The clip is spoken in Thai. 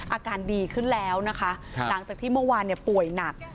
อาการดีขึ้นแล้วนะคะหลังจากที่เมื่อวานป่วยหนัก